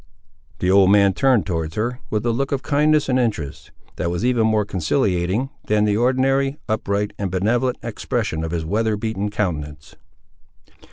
The old man turned towards her, with a look of kindness and interest, that was even more conciliating than the ordinary, upright, and benevolent expression of his weather beaten countenance.